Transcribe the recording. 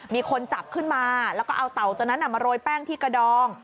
มีคนจับขึ้นมาแล้วก็เอาเต่าตัวนั้นมาโรยแป้งที่กระดอง